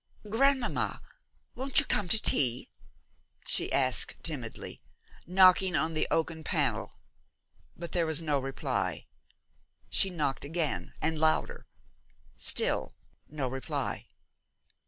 'Grandmamma, won't you come to tea?' she asked timidly, knocking on the oaken panel, but there was no reply. She knocked again, and louder. Still no reply.